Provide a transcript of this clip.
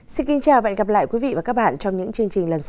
xin kính chào và hẹn gặp lại quý vị và các bạn trong những chương trình lần sau